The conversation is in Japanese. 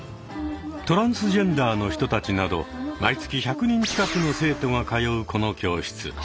トランスジェンダーの人たちなど毎月１００人近くの生徒が通うこの教室。